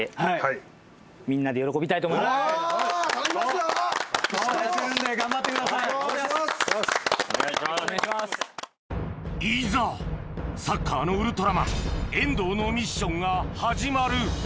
いざサッカーのウルトラマン遠藤のミッションが始まる